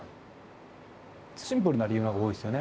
シンプルな理由の方が多いですよね